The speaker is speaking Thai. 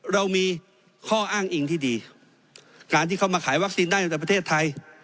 เรามีข้ออ้างอิงที่ดีการที่เขามาขายวัคซีนได้ในประเทศไทย